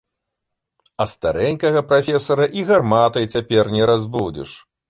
А старэнькага прафесара і гарматай цяпер не разбудзіш.